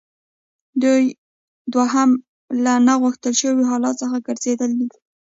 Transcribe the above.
دوهم له نه غوښتل شوي حالت څخه ګرځیدل دي.